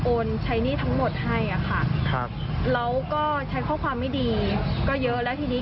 ใช้หนี้ทั้งหมดให้อะค่ะครับแล้วก็ใช้ข้อความไม่ดีก็เยอะแล้วทีนี้